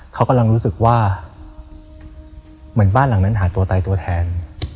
เขากำลังรู้สึกว่าเหมือนบ้านหลังนั้นหาตัวตายตัวแทน